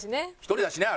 「１人だしね」